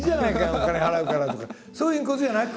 お金払うから！とかそういうことじゃなく？